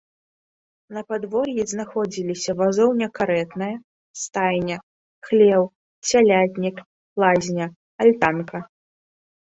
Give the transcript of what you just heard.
На падвор'і знаходзіліся вазоўня-карэтная, стайня, хлеў, цялятнік, лазня, альтанка.